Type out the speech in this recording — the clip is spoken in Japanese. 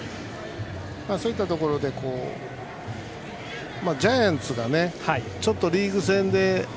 そういったところでジャイアンツがちょっとリーグ戦で、